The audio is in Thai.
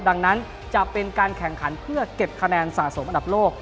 ดังนั้นจะเป็นการแข่งขันเพื่อเก็บคะแนนสะสมอันดับโลก